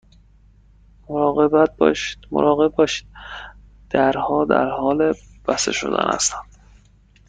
مراقب باشید، درها در حال بسته شدن هستند.